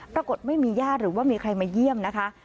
ปรากฏไม่มีญาติหรือว่ามีใครมาเยี่ยมนะคะ